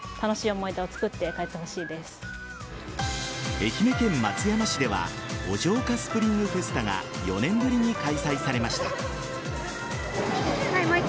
愛媛県松山市ではお城下スプリングフェスタが４年ぶりに開催されました。